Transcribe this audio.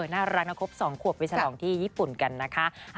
น่ารักนะครบ๒ขวบไปฉลองที่ญี่ปุ่นกันนะคะ